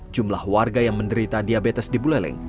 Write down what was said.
jumlah warga yang menderita diabetes di buleleng